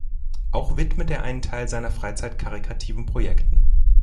Auch widmet er einen Teil seiner Freizeit karitativen Projekten.